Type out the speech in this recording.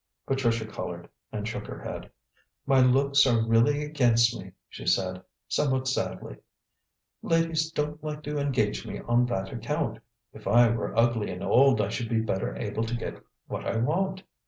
Patricia coloured and shook her head. "My looks are really against me," she said, somewhat sadly; "ladies don't like to engage me on that account. If I were ugly and old I should be better able to get what I want."